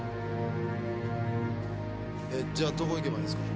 えじゃあどこ行けばいいんですか？